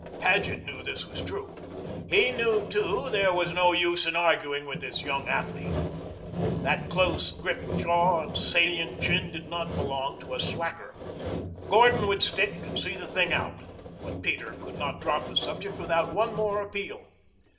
Paget knew this was true. He knew, too, there was no use in arguing with this young athlete. That close gripped jaw and salient chin did not belong to a slacker. Gordon would stick and see the thing out. But Peter could not drop the subject without one more appeal.